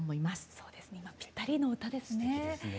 そうですね今ピッタリの歌ですね。